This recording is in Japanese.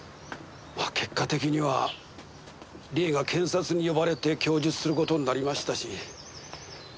まあ結果的には理恵が検察に呼ばれて供述する事になりましたし。